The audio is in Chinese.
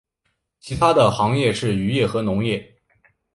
其它的行业是渔业和农业。